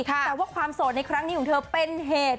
แต่ว่าความโสดในครั้งนี้ของเธอเป็นเหตุ